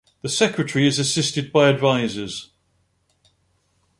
The secretary is assisted by advisors.